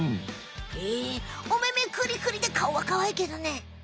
へえおめめくりくりでかおはかわいいけどね。